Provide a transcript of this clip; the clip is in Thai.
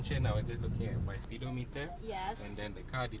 โอเคค่ะ